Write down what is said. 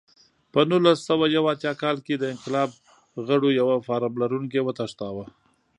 په نولس سوه یو اتیا کال کې د انقلاب غړو یو فارم لرونکی وتښتاوه.